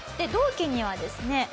同期にはですね。